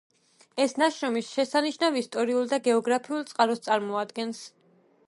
ეს ნაშრომი შესანიშნავ ისტორიულ და გეოგრაფიულ წყაროს წარმოადგენს.